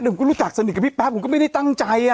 ผมก็รู้จักสนิทกับพี่แป๊บผมก็ไม่ได้ตั้งใจ